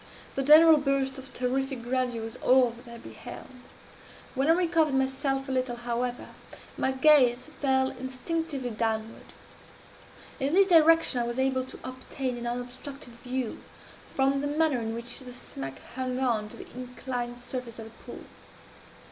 The general burst of terrific grandeur was all that I beheld. When I recovered myself a little, however, my gaze fell instinctively downward. In this direction I was able to obtain an unobstructed view, from the manner in which the smack hung on the inclined surface of the pool.